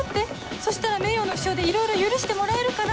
そしたら名誉の負傷でいろいろ許してもらえるから